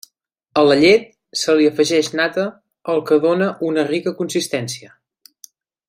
A la llet se li afegeix nata el que dóna una rica consistència.